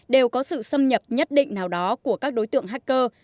đều có sự xâm nhập nhất định nào đó của các đối tượng hacker